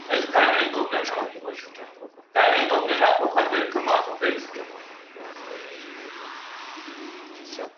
Նրա շնորհիվ էր վճռվում ողբերգության հիմքում ընկած կոնֆլիկտը, որոշվում հերոսների ճակատագիրը։